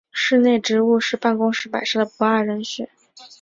室内植物是办公室摆设的不二之选。